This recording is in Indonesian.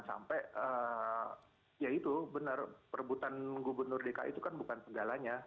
sampai ya itu benar perebutan gubernur dki itu kan bukan segalanya